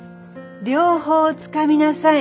両方つかみなさい。